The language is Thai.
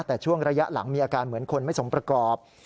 แต่ช่วงระยะหลังมีอาการเหมือนคนไม่สมประกอบ